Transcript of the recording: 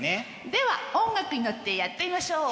では音楽に乗ってやってみましょう。